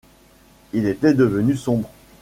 Il était devenu sombre.